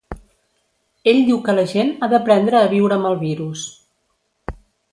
Ell diu que la gent ha d’aprendre a viure amb el virus.